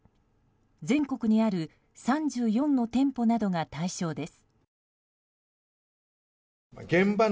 全国にある３４の店舗などが対象です。